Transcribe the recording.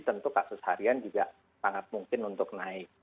tentu kasus harian juga sangat mungkin untuk naik